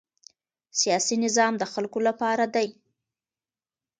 سیاسي نظام د خلکو لپاره دی